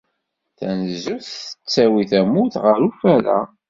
Tanezzut tettawi tamurt ɣer ufara.